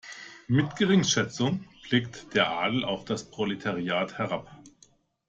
Mit Geringschätzung blickte der Adel auf das Proletariat herab.